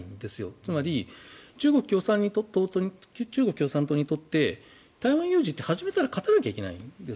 つまり中国共産党にとって台湾有事って、始めたら勝たなきゃいけないんです。